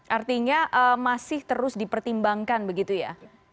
artinya masih terus dipertimbangkan begitu ya